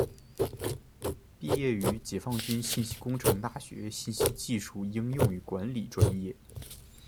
毕业于解放军信息工程大学信息技术应用与管理专业。